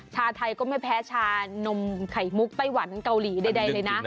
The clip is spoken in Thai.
ชาไทยก็ไม่แพ้ชานมไข่มุกไต้หวันเกาหลีใดเลยนะ